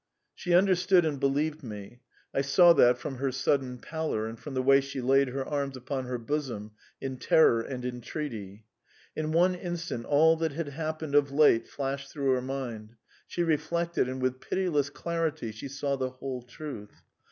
She understood and believed me I saw that from her sudden pallor, and from the way she laid her arms upon her bosom in terror and entreaty. In one instant all that had happened of late flashed through her mind; she reflected, and with pitiless clarity she saw the whole truth.